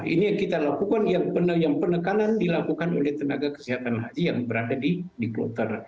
ini yang kita lakukan yang penekanan dilakukan oleh tenaga kesehatan haji yang berada di kloter